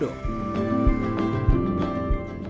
di pulau komodo